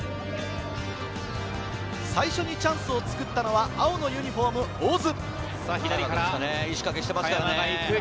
最初にチャンスをつくったのは青のユニホーム・大津。